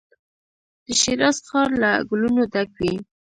د شیراز ښار له ګلو نو ډک وي.